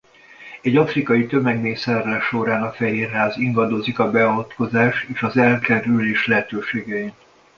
Egy afrikai tömegmészárlás során a Fehér Ház ingadozik a beavatkozás és elkerülés lehetőségein.